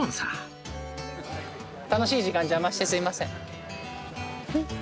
楽しい時間邪魔してすみません。